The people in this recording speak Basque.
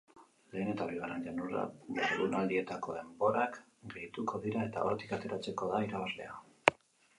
Lehen eta bigarren jardunaldietako denborak gehituko dira eta hortik aterako da irabazlea.